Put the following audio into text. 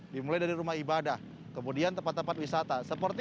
dimulai dari rumah ibadah kemudian tempat tempat wisata